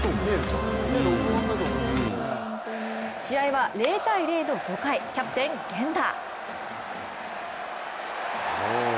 試合は０−０の５回キャプテン・源田。